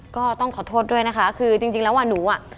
ก็ต้องขอโทษด้วยนะคะคือจริงแล้วอ่ะหนูอ่ะ